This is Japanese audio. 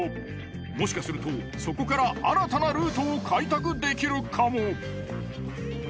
もしかするとそこから新たなルートを開拓できるかも。